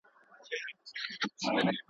وزرماتي زاڼي ګرځي آشیانه له کومه راوړو.